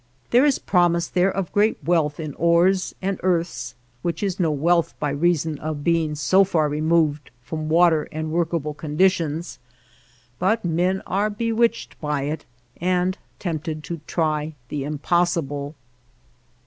There is promise there of great wealth in ores and earths, which is no wealth by reason of being so far removed from water and workable conditions, but men are bewitched by it and tempted to try the impossible.